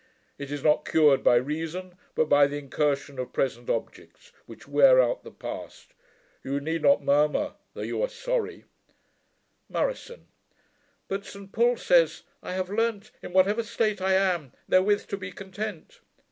It is not cured by reason, but by the incursion of present objects, which wear out the past. You need not murmur, though you are sorry.' MURISON. 'But St Paul says, "I have learnt, in whatever state I am, therewith to be content."